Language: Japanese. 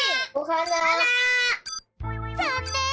ざんねん！